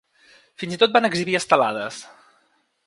Fins i tot van exhibir estelades.